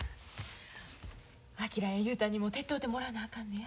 昭や雄太にも手伝うてもらわなあかんのや。